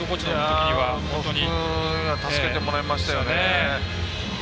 福には助けてもらいましたよね。